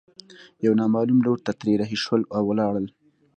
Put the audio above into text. يوه نامعلوم لور ته ترې رهي شول او ولاړل.